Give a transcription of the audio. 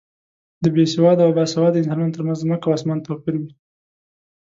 د بې سواده او با سواده انسانو تر منځ ځمکه او اسمان توپیر وي.